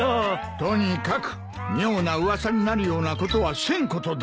とにかく妙な噂になるようなことはせんことだ。